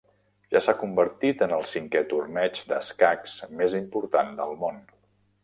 Ja s'ha convertit en el cinquè torneig d'escacs més important del món.